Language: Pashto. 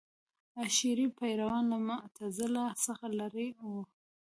اشعري پیروان له معتزله څخه لرې وو.